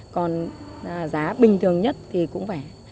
còn giá bình thường nhất thì cũng phải